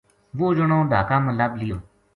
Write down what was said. وہ جنو ڈھاکا ما لب لیو